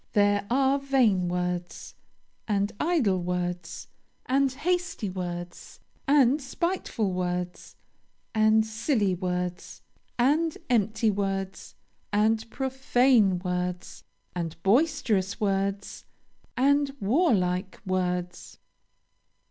There are vain words, and idle words, and hasty words, and spiteful words, and silly words, and empty words, and profane words, and boisterous words, and warlike words.